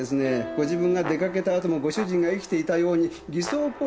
ご自分が出かけたあともご主人が生きていたように偽装工作されたんです。